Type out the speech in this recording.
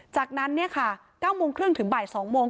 จากนั้น๙๓๐ถึงบ่าย๒โมง